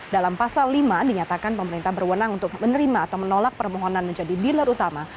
dalam pasal lima dinyatakan pemerintah berwenang untuk menerima atau menolak permohonan menjadi dealer utama